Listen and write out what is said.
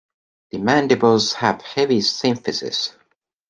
The mandibles have heavy symphysis.